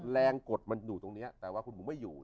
กดมันอยู่ตรงนี้แต่ว่าคุณบุ๋มไม่อยู่